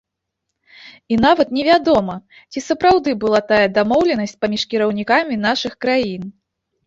І нават не вядома, ці сапраўды была тая дамоўленасць паміж кіраўнікамі нашых краін.